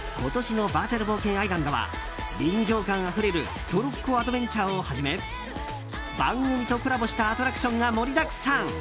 今年のバーチャル冒険アイランドは臨場感あふれるトロッコアドベンチャーをはじめ番組とコラボしたアトラクションが盛りだくさん。